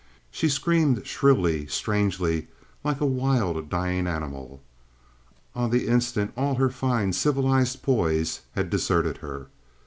She screamed shrilly, strangely, like a wild dying animal. On the instant all her fine, civilized poise had deserted her.